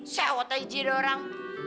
sewot aja diorang